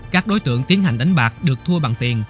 các đối tượng tiến hành đánh bạc được thua bằng tiền